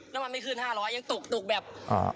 น้ำมันไม่ขึ้น๕๐๐ยังตุกแบบ